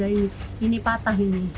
ini patah ini